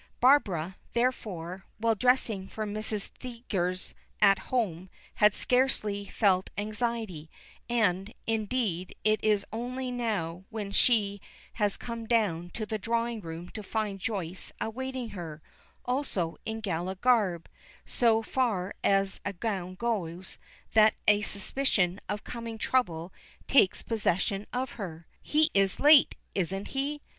Barbara, therefore, while dressing for Mrs. Thesiger's "At Home," had scarcely felt anxiety, and, indeed, it is only now when she has come down to the drawing room to find Joyce awaiting her, also in gala garb, so far as a gown goes, that a suspicion of coming trouble takes possession of her. "He is late, isn't he?"